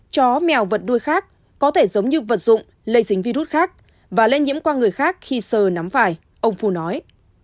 chó mèo vật nuôi khác có thể giống như vật dụng lây dính virus khác và lên nhiễm qua người khác khi sờ nắm phải ông phu nói